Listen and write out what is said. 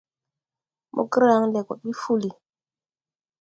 Mograŋ leʼ go ɓi fuli.